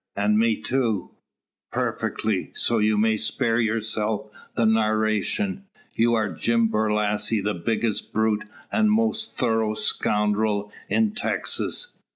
And me too?" "Perfectly; so you may spare yourself the narration. You are Jim Borlasse, the biggest brute and most thorough scoundrel in Texas."